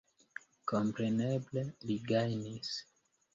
Kompreneble li gajnis.